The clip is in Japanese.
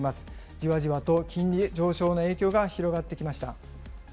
じわじわと金利上昇の影響が広がってきました。